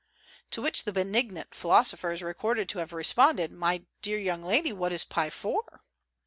To which the benignant philosopher is recorded to have responded, "My dear young lady, what is pie for?"